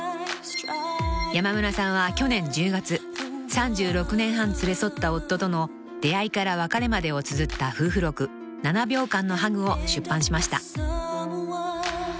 ［山村さんは去年１０月３６年半連れ添った夫との出会いから別れまでをつづった夫婦録『７秒間のハグ』を出版しました］